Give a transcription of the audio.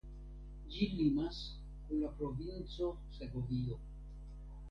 Ĝi limas kun la provinco Segovio.